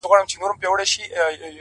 هڅه د ناممکن دیوالونه نړوي!